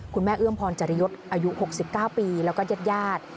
คุณแม่เอื้อมพรจรยศอายุ๖๙ปีแล้วก็ญาติ